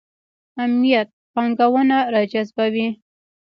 امنیت پانګونه راجذبوي